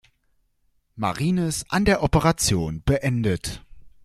Marines an der Operation beendet.